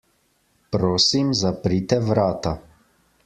Prosim, zaprite vrata.